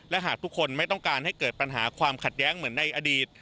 และหากทุกคนไม่ต้องการให้เกิดปัญหาความขัดแย้งเหมือนในอดีต